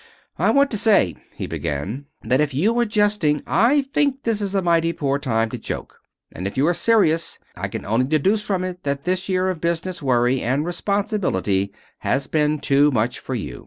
"I want to say," he began, "that if you are jesting, I think this is a mighty poor time to joke. And if you are serious I can only deduce from it that this year of business worry and responsibility has been too much for you.